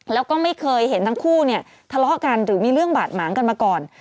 แล้วก็ไม่เคยเห็นทั้งคู่เนี่ยทะเลาะกันหรือมีเรื่องบาดหมางกันมาก่อน